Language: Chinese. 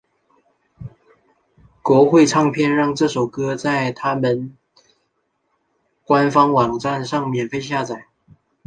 国会唱片让这首歌在他们官方网站上免费下载。